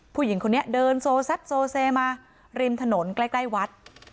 ผู้หญิงคนนี้เดินโซซับโซเซมาริมถนนใกล้วัด